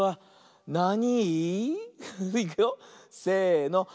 せの。